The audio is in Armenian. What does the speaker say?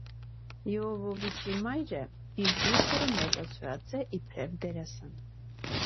Եովովիչի մայրը իր դուստրը մեծացուցած է իբրեւ դերասան։